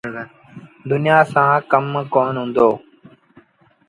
دنيآ سآݩ ڪم ڪونا هُݩدو۔